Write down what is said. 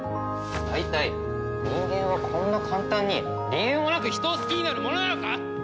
大体人間はこんな簡単に理由もなく人を好きになるものなのか！？